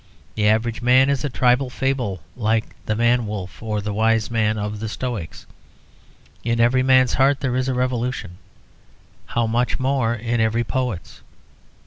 The average man is a tribal fable, like the Man Wolf or the Wise Man of the Stoics. In every man's heart there is a revolution; how much more in every poet's?